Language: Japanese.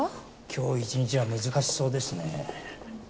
今日一日は難しそうですね。